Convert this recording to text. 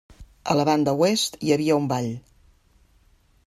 A la banda oest hi havia un vall.